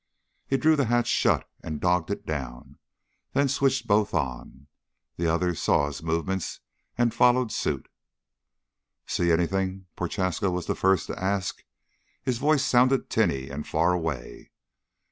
He drew the hatch shut and dogged it down, then switched both on. The others saw his movements and followed suit. "See anything?" Prochaska was the first to ask. His voice sounded tinny and far away.